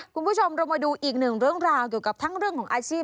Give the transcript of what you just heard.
คุณผู้ชมเรามาดูอีกหนึ่งเรื่องราวเกี่ยวกับทั้งเรื่องของอาชีพ